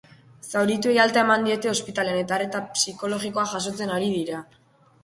Zaurituei alta eman diete ospitalean, eta arreta psikologikoa jasotzen ari dira.